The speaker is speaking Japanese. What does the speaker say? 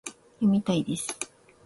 読みたいです